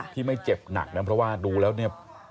ที่ไม่เจ็บหนักนะเพราะว่าดูแล้วเนี่ย